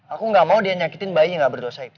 aku gak mau dia nyakitin bayi yang gak berdosa itu